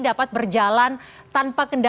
dapat berjalan tanpa kendalian